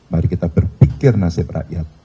mari kita berpikir nasib rakyat